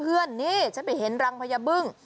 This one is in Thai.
เพื่อนนี่ฉันไปเห็นรังพญาบึ้ง